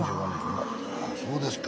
あそうですか。